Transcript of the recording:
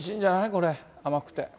これ、甘くて。